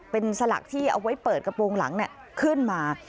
เป็นสลักที่เอาไว้เปิดกระโปรงหลังขึ้นมา